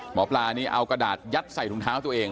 หมอปลานี่เอากระดาษยัดใส่ถุงเท้าตัวเอง